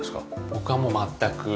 僕はもう全く。